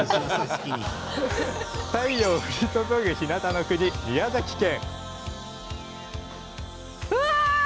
太陽、降り注ぐひなたの国宮崎県。